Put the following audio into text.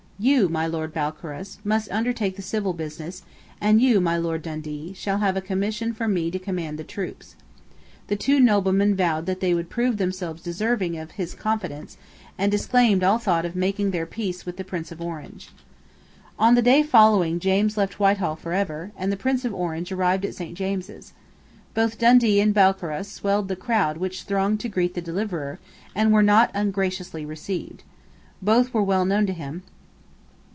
"You, my Lord Balcarras, must undertake the civil business: and you, my Lord Dundee, shall have a commission from me to command the troops." The two noblemen vowed that they would prove themselves deserving of his confidence, and disclaimed all thought of making their peace with the Prince of Orange, On the following day James left Whitehall for ever; and the Prince of Orange arrived at Saint James's. Both Dundee and Balcarras swelled the crowd which thronged to greet the deliverer, and were not ungraciously received. Both were well known to him.